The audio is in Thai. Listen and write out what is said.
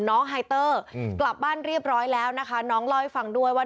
ไฮเตอร์กลับบ้านเรียบร้อยแล้วนะคะน้องเล่าให้ฟังด้วยว่า